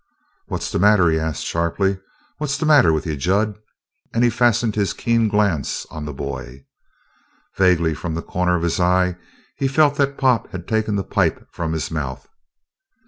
"What's the matter?" he asked sharply. "What's the matter with you, Jud?" And he fastened his keen glance on the boy. Vaguely, from the corner of his eye, he felt that Pop had taken the pipe from his mouth.